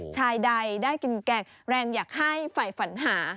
ชายใดได้กินแกงแรงอยากให้ฝ่ายฝันหา